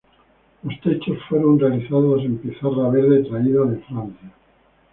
Los techos fueron realizados en pizarra verde traída de Francia.